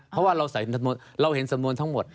เพราะว่าเราเห็นสำนวนทั้งหมด